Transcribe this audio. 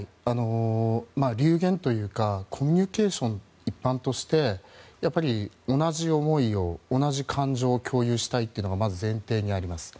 流言というかコミュニケーション一般として同じ思い、感情を共有したいというのがまず前提にあります。